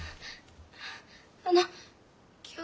あの今日は。